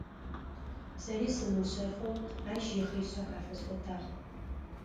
Сэри сымыушъэфэу ащ ихъишъэ къафэсӏотагъ.